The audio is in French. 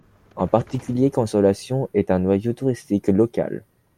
En particulier, Consolation est un noyau touristique local.